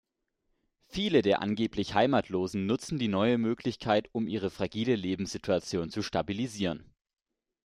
Viele der angeblich „Heimatlosen“ nutzten die neue Möglichkeit, um ihre fragile Lebenssituation zu stabilisieren.